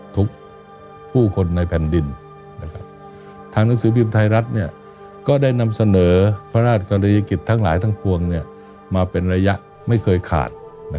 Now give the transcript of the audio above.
ผู้คนในแผ่นดินทางหนังสือพิมพ์ไทยรัฐก็ได้นำเสนอพระราชกรณียกิจทั้งหลายทั้งปวงมาเป็นระยะไม่เคยขาด